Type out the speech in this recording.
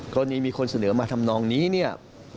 กรณีมีคนเสนอมาทำนองนี้เนี่ย